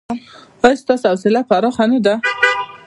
ایا ستاسو حوصله پراخه نه ده؟